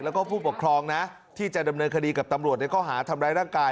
แล้วก็ผู้ปกครองนะที่จะดำเนินคดีกับตำรวจในข้อหาทำร้ายร่างกาย